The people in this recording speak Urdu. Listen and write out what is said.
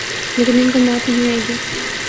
لیکن ان کوموت نہیں آئے گی